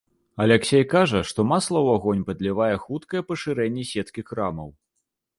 Аляксей кажа, што масла ў агонь падлівае хуткае пашырэнне сеткі крамаў.